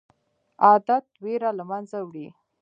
عادت ویره له منځه وړي.